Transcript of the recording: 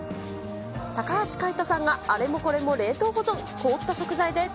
高橋海人さんがあれもこれも冷凍保存。